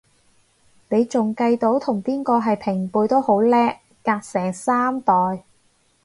你仲計到同邊個係平輩都好叻，隔成三代